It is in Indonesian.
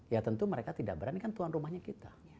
ya tentu mereka tidak berani kan tuan rumahnya kita